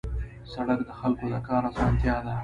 سړک د خلکو د کار اسانتیا ده.